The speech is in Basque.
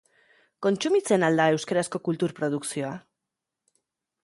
Kontsumitzen al da euskarazko kultur produkzioa?